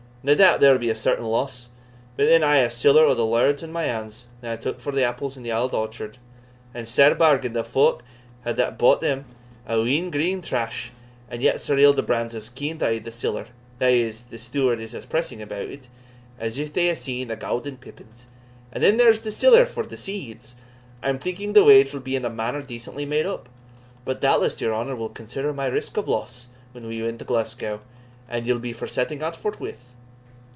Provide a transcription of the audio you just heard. "Nae doubt there will be a certain loss; but then I hae siller o' the laird's in my hands that I took for the apples in the auld orchyard and a sair bargain the folk had that bought them a wheen green trash and yet Sir Hildebrand's as keen to hae the siller (that is, the steward is as pressing about it) as if they had been a' gowden pippins and then there's the siller for the seeds I'm thinking the wage will be in a manner decently made up. But doubtless your honour will consider my risk of loss when we win to Glasgow and ye'll be for setting out forthwith?"